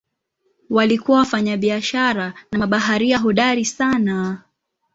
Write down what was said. Walikuwa wafanyabiashara na mabaharia hodari sana.